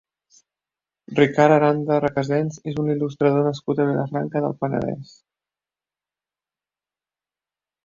Ricard Aranda Recasens és un il·lustrador nascut a Vilafranca del Penedès.